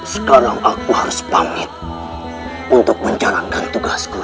sekarang aku harus bangit untuk menjalankan tugasku ray